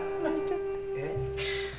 えっ？